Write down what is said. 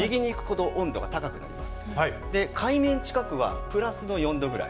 で海面近くはプラスの４度ぐらい。